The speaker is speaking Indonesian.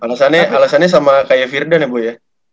alasannya sama kayak firdan ya bu ya